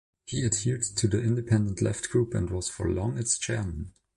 He adhered to the Independent Left group, and was for long its chairman.